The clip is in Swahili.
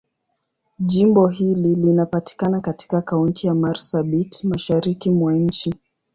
Jimbo hili linapatikana katika Kaunti ya Marsabit, Mashariki mwa nchi.